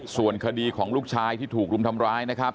ส่วนคดีของลูกชายที่ถูกรุมทำร้ายนะครับ